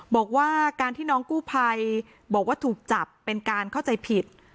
บอกว่าการที่น้องกู้ภัยบอกว่าถูกจับเป็นการเข้าใจผิด